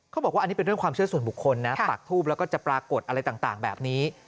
เขาบอกว่าอันนี้เป็นเรื่องความเชื่อส่วนบุคคลนะปากทูบแล้วก็จะปรากฏอะไรต่างแบบนี้